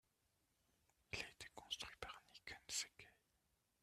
Il a été construit par Nikken Sekkei.